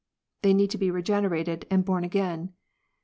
They need to be regenerated and born again.